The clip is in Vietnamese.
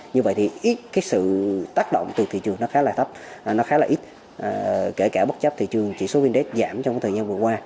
như vậy thì ít sự tác động từ thị trường khá là ít kể cả bất chấp thị trường chỉ số vindex giảm trong thời gian vừa qua